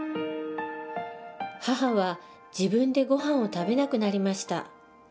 母は自分でごはんを食べなくなりました。